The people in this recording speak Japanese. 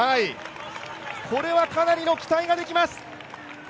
これはかなりの期待ができます。